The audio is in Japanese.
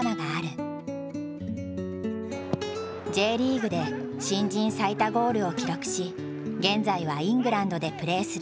Ｊリーグで新人最多ゴールを記録し現在はイングランドでプレーする三笘。